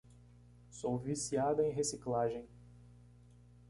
Sou viciada em reciclagem.